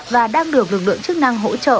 và đang được lực lượng chức năng hỗ trợ